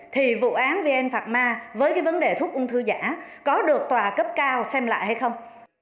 thì vụ án vn phạm ma với cái vấn đề thuốc ung thư giả có được tòa cấp cao xem lại hay không